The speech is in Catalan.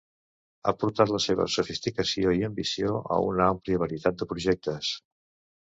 Ha portat la seva sofisticació i ambició a una àmplia varietat de projectes.